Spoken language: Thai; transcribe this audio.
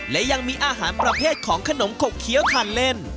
และยังมีอาหารประเภทของขนมขกเคี้ยวทานเล่น